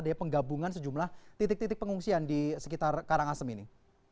dari penggabungan sejumlah titik titik pengungsian di sekitar karangasem ini